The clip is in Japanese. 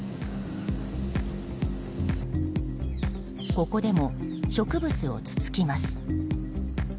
ここでも植物をつつきます。